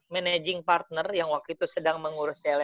managing partner yang waktu itu sedang mengurus cell